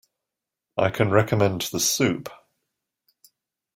I can recommend the soup.